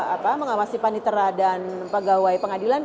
apa mengawasi panitera dan pegawai pengadilan